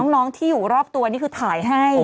น้องที่อยู่รอบตัวนี่คือถ่ายให้